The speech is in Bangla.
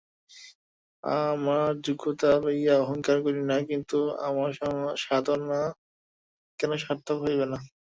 আমার যোগ্যতা লইয়া অহংকার করি না, কিন্তু আমার সাধনা কেন সার্থক হইবে না?